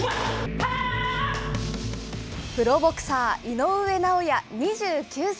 プロボクサー、井上尚弥２９歳。